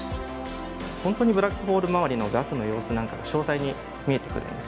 本当にブラックホール周りのガスの様子なんかが詳細に見えてくるんですね。